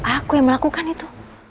aku yang melakukan itu